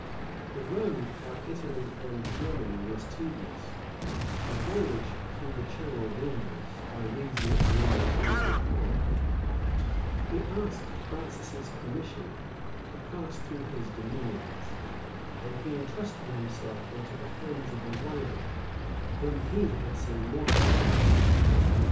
The road by Italy and Germany was tedious: the voyage through the channel dangerous, by reason of the English naval power: he asked Francis's permission to pass through his dominions; and he entrusted himself into the hands of a rival, whom he had so mortally offended.